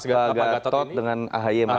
gatot dengan ahy